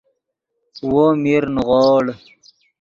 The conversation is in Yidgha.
وو میر نیغوڑ